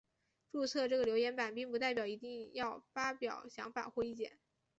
注册这个留言版并不代表一定要发表想法或意见。